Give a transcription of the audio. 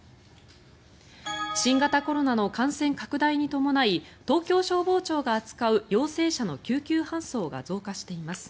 新型コロナの感染拡大に伴い東京消防庁が扱う陽性者の救急搬送が増加しています。